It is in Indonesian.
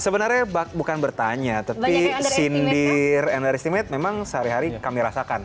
sebenarnya bukan bertanya tapi sindir energi memang sehari hari kami rasakan